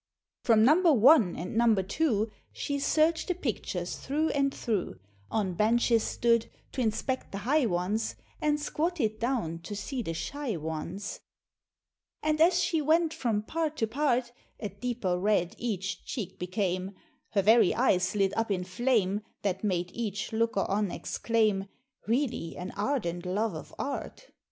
From number one and number two, She searched the pictures through and through, On benches stood, to inspect the high ones, And squatted down to see the shy ones. And as she went from part to part, A deeper red each cheek became, Her very eyes lit up in flame, That made each looker on exclaim, "Really an ardent love of art!"